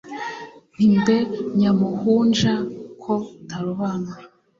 nti mbe nyamuhunja ko utarobanura